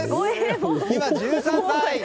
今、１３歳。